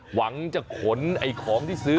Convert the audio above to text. หวังจะขนไอ้ของที่ซื้อ